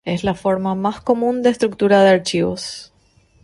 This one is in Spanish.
Es la forma más común de estructura de archivos.